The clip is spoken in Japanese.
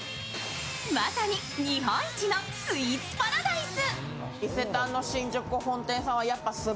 まさに日本一のスイーツパラダイス。